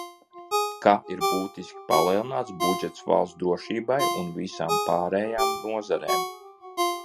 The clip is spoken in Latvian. Ka ir būtiski palielināts budžets valsts drošībai un visām pārējām nozarēm.